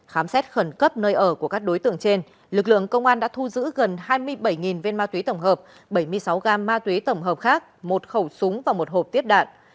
khám xét khẩn cấp nơi ở của các đối tượng trên lực lượng công an đã thu giữ gần hai mươi bảy viên ma túy tổng hợp bảy mươi sáu gam ma túy tổng hợp khác một khẩu súng và một hộp tiếp đạn